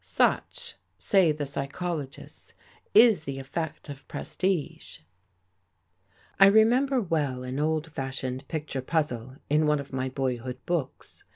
Such, say the psychologists, is the effect of prestige. I remember well an old fashioned picture puzzle in one of my boyhood books.